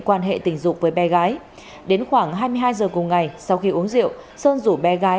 quan hệ tình dục với bé gái đến khoảng hai mươi hai giờ cùng ngày sau khi uống rượu sơn rủ bé gái